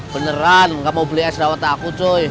beneran gak mau beli es dawet aku cuy